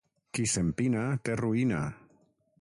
Qui s'empina té ruïna.